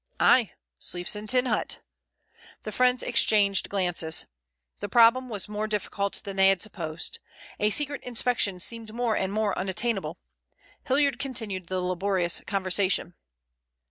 "Ay. Sleeps in tin hut." The friends exchanged glances. Their problem was even more difficult than they had supposed. A secret inspection seemed more and more unattainable. Hilliard continued the laborious conversation.